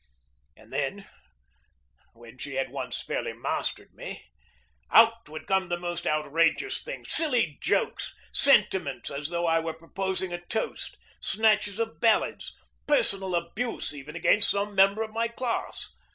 And then, when she had once fairly mastered me, out would come the most outrageous things silly jokes, sentiments as though I were proposing a toast, snatches of ballads, personal abuse even against some member of my class.